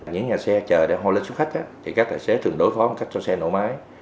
những nhà xe chờ để hôi lên xuất khách thì các tài xế thường đối phó cách cho xe nổ máy